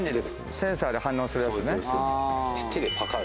センサーで反応するやつね。